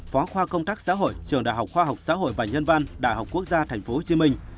phó khoa công tác xã hội trường đại học khoa học xã hội và nhân văn đại học quốc gia tp hcm